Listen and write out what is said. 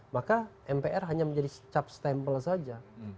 maka mpr hanya menjadi cap stempel saja